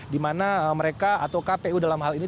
dimana mereka atau kpu dalam hal ini